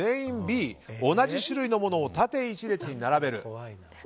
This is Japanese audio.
同じ種類のものを縦１列に並べる。